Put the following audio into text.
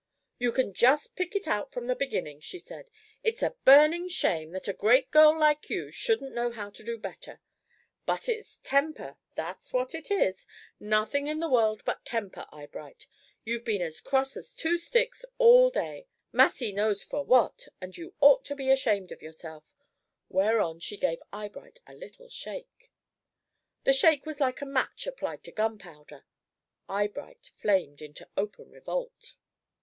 "You can just pick it out from the beginning," she said. "It's a burning shame that a great girl like you shouldn't know how to do better. But it's temper that's what it is. Nothing in the world but temper, Eyebright. You've been as cross as two sticks all day, Massy knows for what, and you ought to be ashamed of yourself," whereon she gave Eyebright a little shake. The shake was like a match applied to gunpowder. Eyebright flamed into open revolt.